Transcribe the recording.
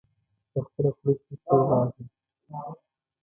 په خپله خوله کې پړ راغی.